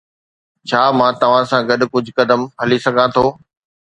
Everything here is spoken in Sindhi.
ڇا مان توهان سان گڏ ڪجهه قدم هلي سگهان ٿو؟